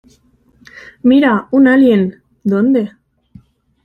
¡ Mira, un alien! ¿ dónde?